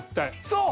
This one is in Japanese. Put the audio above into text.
そう！